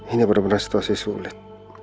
ini bener bener situasi sulit